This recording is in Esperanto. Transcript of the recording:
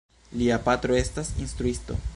Lia patro estas instruisto.